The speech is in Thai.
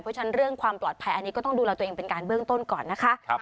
เพราะฉะนั้นเรื่องความปลอดภัยอันนี้ก็ต้องดูแลตัวเองเป็นการเบื้องต้นก่อนนะคะ